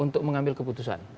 untuk mengambil keputusan